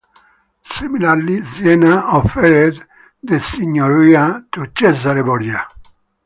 Similarly, Siena offered the signoria to Cesare Borgia.